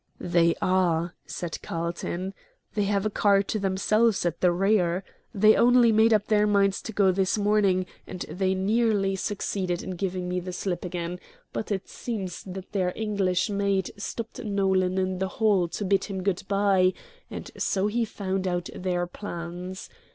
"They are," said Carlton. "They have a car to themselves at the rear. They only made up their minds to go this morning, and they nearly succeeded in giving me the slip again; but it seems that their English maid stopped Nolan in the hall to bid him good bye, and so he found out their plans.